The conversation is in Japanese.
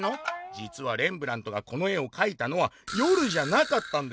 「じつはレンブラントがこの絵を描いたのは夜じゃなかったんです。